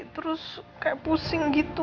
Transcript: terus pusing gitu